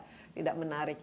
sama sekali tidak menarik